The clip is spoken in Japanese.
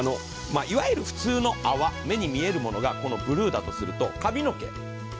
いわゆる普通の泡目に見えるものがこのブルーだとすると髪の毛。